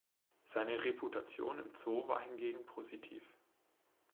Seine Reputation im Zoo war hingegen positiv.